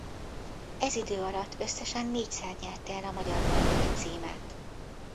Ez idő alatt összesen négyszer nyerte el a magyar bajnoki címet.